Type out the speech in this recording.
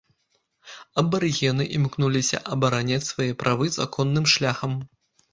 Абарыгены імкнуліся абараняць свае правы законным шляхам.